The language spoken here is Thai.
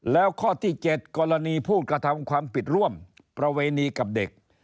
แล้วข้อที่๗กรณีผู้กระทำความผิดร่วมประเวณีกับเด็ก